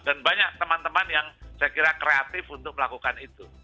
dan banyak teman teman yang saya kira kreatif untuk melakukan itu